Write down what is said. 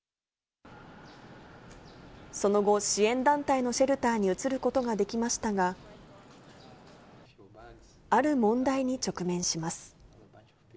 その後、支援団体のシェルターに移ることができましたが、ある問題に直面します。